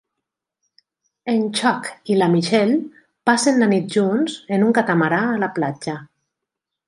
En Chuck i la Michelle passen la nit junts en un catamarà a la platja.